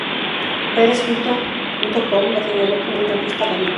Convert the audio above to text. PerezHilton.com la señaló como una "pista bonita".